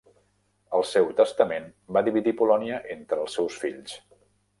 Al seu testament, va dividir Polònia entre els seus fills.